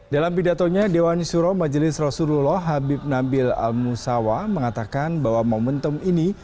dalam pidatonya dewan suro majelis rasulullah habib nabil al musawa mengatakan bahwa momentum ini